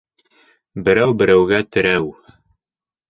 Берәү берәүгә терәү